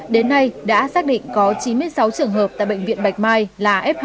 đến nay đã xác định có chín mươi sáu trường hợp tại bệnh viện bạch mai là f hai